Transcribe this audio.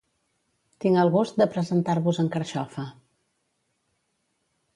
Tinc el gust de presentar-vos en Carxofa.